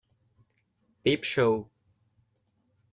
Peep Show".